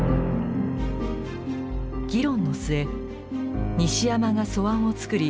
議論の末西山が素案を作り